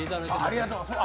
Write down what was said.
ありがとうございます。